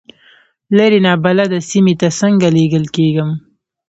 لرې نابلده سیمې ته څنګه لېږل کېږم.